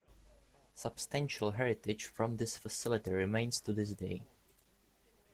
Substantial heritage from this facility remains to this day.